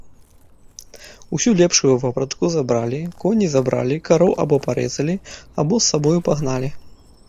Усю лепшую вопратку забралі, коні забралі, кароў або парэзалі, або з сабою пагналі.